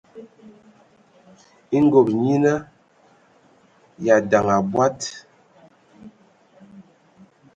E ngob nyina dza ndaŋ abɔad.